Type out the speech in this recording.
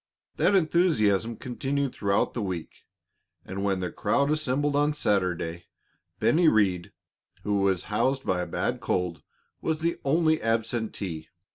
That enthusiasm continued throughout the week, and when the crowd assembled on Saturday, Bennie Rhead, who was housed by a bad cold, was the only absentee.